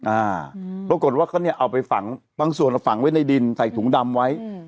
อ่าปรากฏว่าเขาเนี่ยเอาไปฝังบางส่วนเอาฝังไว้ในดินใส่ถุงดำไว้อืม